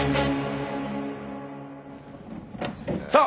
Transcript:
さあ！